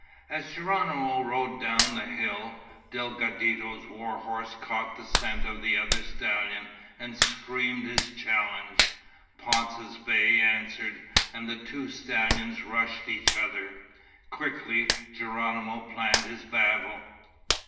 As Geronimo rode down the hill, Delgadito's war horse caught scent of the other stallion and screamed his challenge. Ponce's bay answered, and the two stallions rushed each other. Quickly Geronimo planned his battle.